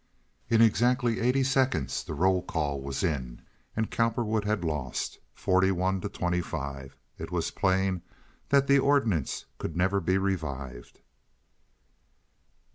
In exactly eighty seconds the roll call was in and Cowperwood had lost—41 to 25. It was plain that the ordinance could never be revived.